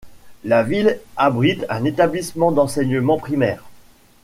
La ville abrite un établissement d'enseignement primaire.